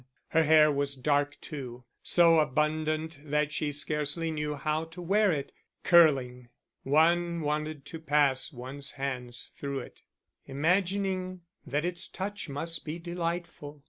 Her hair was dark too, so abundant that she scarcely knew how to wear it, curling; one wanted to pass one's hands through it, imagining that its touch must be delightful.